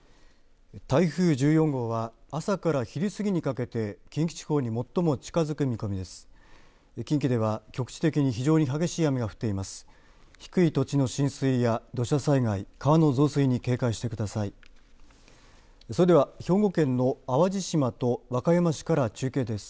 台風１４号は朝から昼過ぎにかけて近畿地方に最も近づく見込みです。